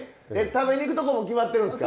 食べに行くとこも決まってるんですか？